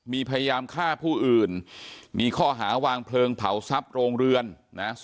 มีพยายามฆ่าผู้อื่นมีข้อหาวางเพลิงเผาทรัพย์โรงเรือนนะ